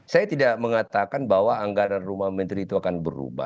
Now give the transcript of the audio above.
saya tidak mengatakan bahwa anggaran rumah menteri itu akan berubah